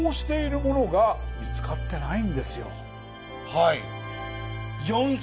はい。